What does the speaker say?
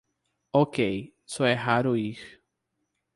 Ok, só é raro ir